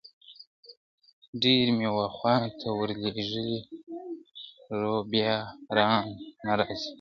ډ یرمي و خواته ور لیږلي رو یبا را ن نه را ځي